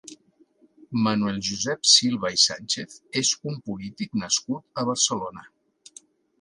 Manuel Josep Silva i Sánchez és un polític nascut a Barcelona.